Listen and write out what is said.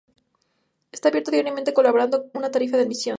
Está abierto diariamente, cobrando una tarifa de admisión.